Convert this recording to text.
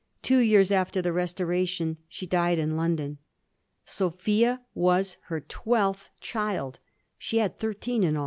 Two years after the Restoration she died in London. Sophia was her twelfth child ; she had thirteen in aU.